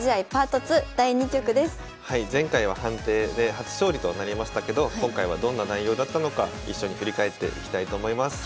前回は判定で初勝利となりましたけど今回はどんな内容だったのか一緒に振り返っていきたいと思います。